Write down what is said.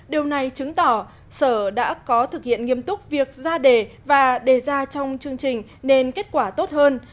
điều này chứng tỏ sở đã có thực hiện nghiêm túc việc ra đề và đề ra trong chương trình nên kết quả tốt hơn